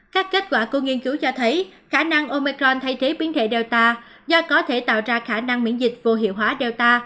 các kết quả của nghiên cứu cho thấy khả năng omecron thay thế biến gạy delta do có thể tạo ra khả năng miễn dịch vô hiệu hóa delta